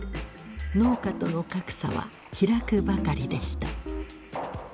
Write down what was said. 農家との格差は開くばかりでした。